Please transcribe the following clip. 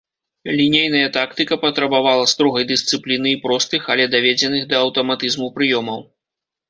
Лінейная тактыка патрабавала строгай дысцыпліны і простых, але даведзеных да аўтаматызму прыёмаў.